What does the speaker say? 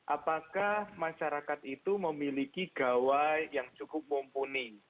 apakah masyarakat itu memiliki gawai yang cukup mumpuni